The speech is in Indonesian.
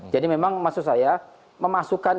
jadi memang maksud saya memasukkan